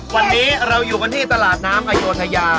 วันนี้เราอยู่กันที่ตลาดน้ำอโยธยา